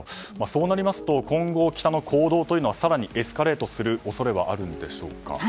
そうなりますと今後北の行動は更にエスカレートする恐れはあるんでしょうか。